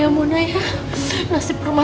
gak ada nih kalau cuma begini ya